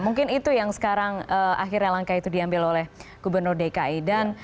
mungkin itu yang sekarang akhirnya langkah itu diambil oleh gubernur dki